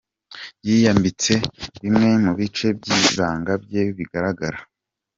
yiyambitse bimwe mu bice byibanga bye bigaragara.